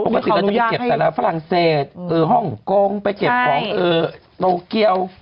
ปกติเราจะไปเก็บแต่ละฝรั่งเศสฮ่องกงไปเก็บของโตเกียว